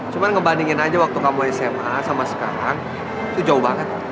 cuma ngebandingin aja waktu kamu sma sama sekarang itu jauh banget